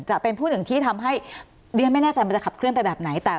จะเป็นผู้หนึ่งที่ทำให้ดิฉันไม่แน่ใจมันจะขับเคลื่อนไปแบบไหนแต่